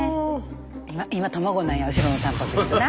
今卵なんや後ろのたんぱく質な。